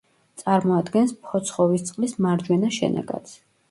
წარმოადგენს ფოცხოვისწყლის მარჯვენა შენაკადს.